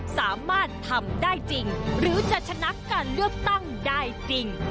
สามารถทำได้จริงหรือจะชนะการเลือกตั้งได้จริง